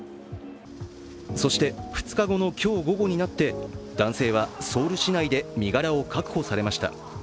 そして２日後の今日午後になって男性はソウル市内で身柄を確保されました。